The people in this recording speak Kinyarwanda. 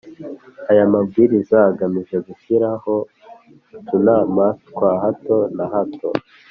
Aya mabwiriza agamije gushyiraho utunama twa hato na hato